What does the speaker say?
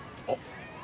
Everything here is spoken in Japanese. あっ。